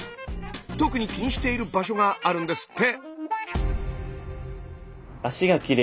特に気にしている場所があるんですって。